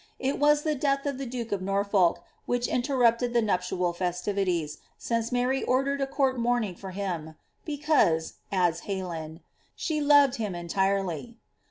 It was the death of the duke of Norfolk which interrupted the nuptial festivities, since Mary ordered a court mourning for him,' because,'' adds lieylin, ^* she loved him entirely."